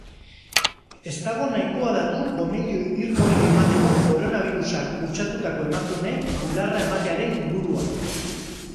Ez dago nahikoa datu gomendio irmorik emateko koronabirusak kutsatutako emakumeek bularra ematearen inguruan.